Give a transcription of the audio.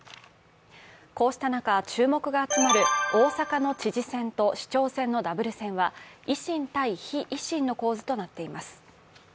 こうした中、注目が集まる大阪の知事選と市長選のダブル選は維新対非維新の構図となっています。